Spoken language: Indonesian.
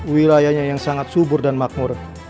wilayahnya yang sangat subur dan makmur